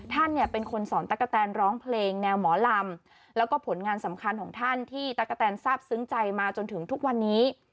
ท่านเนี่ยเป็นคนสอนตั๊กกะแตนร้องเพลงแนวหมอลำแล้วก็ผลงานสำคัญของท่านที่ตั๊กกะแตนทราบซึ้งใจมาจนถึงทุกวันนี้